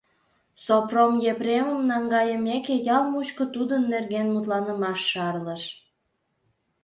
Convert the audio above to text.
Сопром Епремым наҥгайымеке, ял мучко тудын нерген мутланымаш шарлыш.